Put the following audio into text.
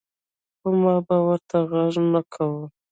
خو ما به ورته غږ نۀ کوۀ ـ